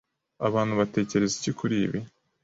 Abantu batekereza iki kuri ibi